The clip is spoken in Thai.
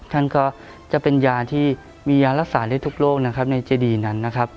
ท่านก็จะเป็นยาที่มียารักษาได้ทุกโลกในเจดีนั้น